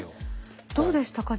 どうでしたか？